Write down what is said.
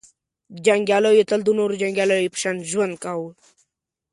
• جنګیالیو تل د نورو جنګیالیو په شان ژوند کاوه.